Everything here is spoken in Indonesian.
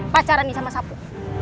pacaran nih sama sapu